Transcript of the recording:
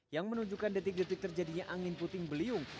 yang menunjukkan detik detik terjadinya angin puting beliung